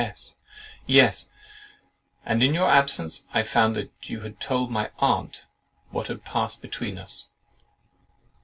S. "Yes, and in your absence I found that you had told my aunt what had passed between us."